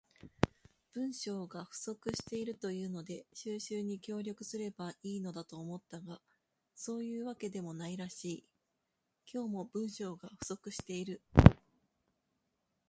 文章が不足しているというので収集に協力すれば良いのだと思ったが、そういうわけでもないらしい。今日も、文章が不足している。